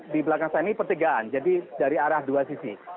di belakang saya ini pertigaan jadi dari arah dua sisi